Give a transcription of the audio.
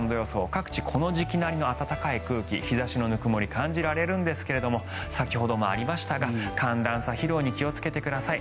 各地、この時期なりの暖かい空気日差しのぬくもりが感じられるんですが先ほどもありましたが寒暖差疲労に気をつけてください。